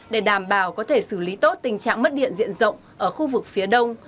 để đảm bảo có thể xử lý tốt tình trạng mất điện diện rộng ở khu vực phía đông